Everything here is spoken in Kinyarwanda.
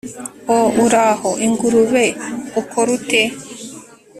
oh, uraho, ingurube, ukora ute